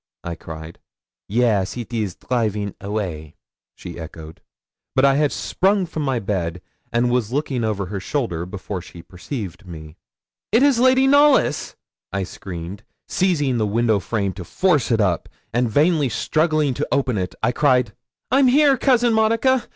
I cried. 'Yes, it is draiving away,' she echoed. But I had sprung from my bed, and was looking over her shoulder, before she perceived me. 'It is Lady Knollys!' I screamed, seizing the window frame to force it up, and, vainly struggling to open it, I cried 'I'm here, Cousin Monica.